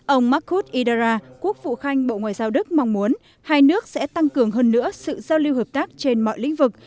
ông markud idara quốc vụ khanh bộ ngoại giao đức mong muốn hai nước sẽ tăng cường hơn nữa sự giao lưu hợp tác trên mọi lĩnh vực